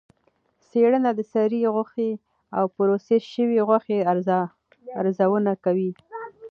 څېړنه د سرې غوښې او پروسس شوې غوښې ارزونه کوي.